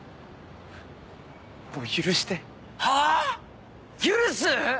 もう許して。は⁉許す？